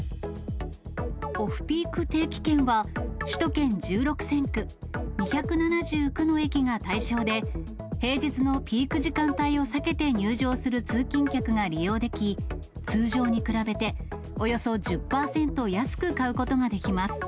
オフピーク定期券は、首都圏１６線区、２７９の駅が対象で、平日のピーク時間帯を避けて入場する通勤客が利用でき、通常に比べておよそ１０％安く買うことができます。